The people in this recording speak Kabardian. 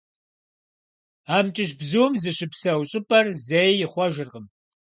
АмкӀыщ бзум зыщыпсэу щӏыпӏэр зэи ихъуэжыркъым.